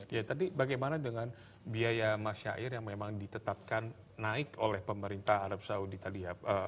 ya tadi bagaimana dengan biaya masyair yang memang ditetapkan naik oleh pemerintah arab saudi tadi ya